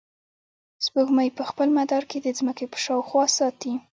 سپوږمۍ په خپل مدار کې د ځمکې په شاوخوا ساتي.